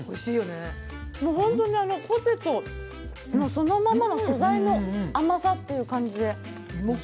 ホントにポテトのそのままの素材の甘さっていう感じで。